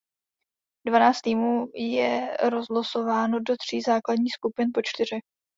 Dvanáct týmů je rozlosováno do tří základních skupin po čtyřech.